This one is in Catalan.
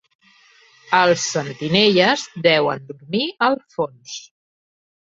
Els sentinelles deuen dormir al fons.